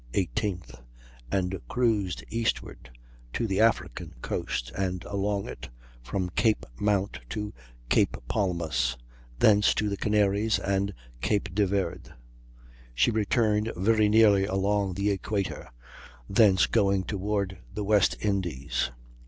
18th, and cruised eastward to the African coast and along it from Cape Mount to Cape Palmas, thence to the Canaries and Cape de Verd. She returned very nearly along the Equator, thence going toward the West Indies.